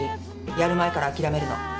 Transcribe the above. やる前からあきらめるの。